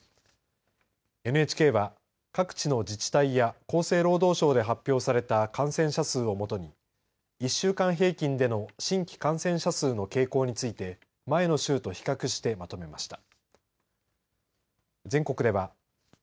ＮＨＫは各地の自治体や厚生労働省で発表された感染者数をもとに１週間平均での新規感染者数の傾向について前の週と比較してまとめました。